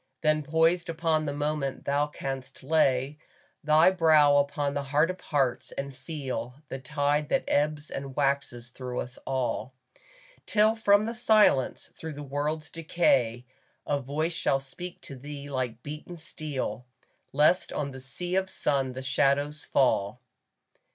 Then poised upon the moment thou canst lay Thy brow upon the Heart of Hearts, and feel The tide that ebbs and waxes through us all ; Till from the silence, through the world's decay, A voice shall speak to thee like beaten steel, Lest on thy sea of sun the shadows fall.